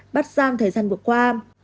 bắt giam thời gian vừa qua